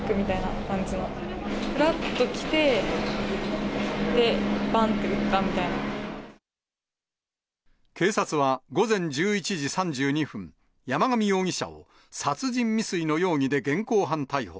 ふらっと来て、警察は、午前１１時３２分、山上容疑者を、殺人未遂の容疑で現行犯逮捕。